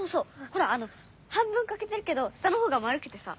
ほら半分かけてるけど下のほうが丸くてさ。